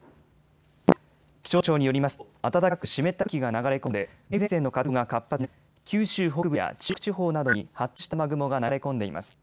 気象庁によりますと暖かく湿った空気が流れ込んで梅雨前線の活動が活発になり九州北部や中国地方などに発達した雨雲が流れ込んでいます。